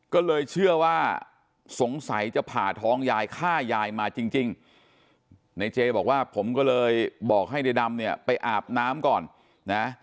ก็เลยเชื่อว่าสงสัยจะผ่าท้องยายฆ่ายายมาจริงในเจบอกว่าผมก็เลยบอกให้ในดำเนี่ยไปอาบน้ำก่อนนะ